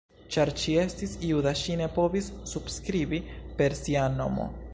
Ĉar ŝi estis juda ŝi ne povis subskribi per sia nomo.